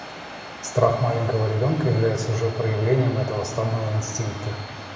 Страх маленького ребенка является уже проявлением этого стадного инстинкта.